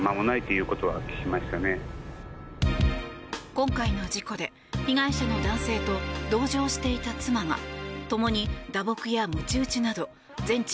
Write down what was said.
今回の事故で被害者の男性と同乗していた妻がともに打撲やむち打ちなど全治